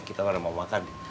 kita baru mau makan